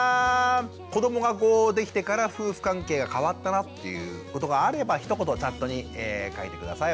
子どもができてから夫婦関係が変わったなっていうことがあればひと言チャットに書いて下さい。